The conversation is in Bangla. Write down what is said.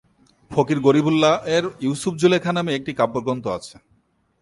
ফকির গরীবুল্লাহ-এর ইউসুফ-জোলেখা নামে একটি কাব্যগ্রন্থ আছে।